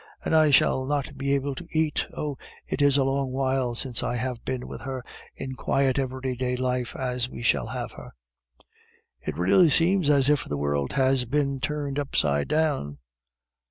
And I shall not be able to eat. Oh, it is a long while since I have been with her in quiet every day life as we shall have her." "It really seems as if the world has been turned upside down."